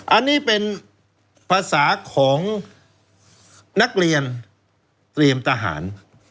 อันนี้เป็นภาษาของนักเรียนเตรียมทหาร